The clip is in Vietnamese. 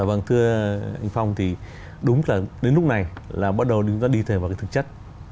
vâng thưa anh phong thì đúng là đến lúc này là bắt đầu chúng ta đi thể vào cái thực chất